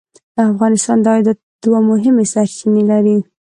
افغانستان د عایداتو دوه مهمې سرچینې لري.